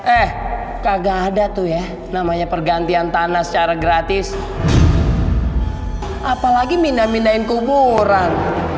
eh kagak ada tuh ya namanya pergantian tanah secara gratis apalagi mindah mindahin kuburan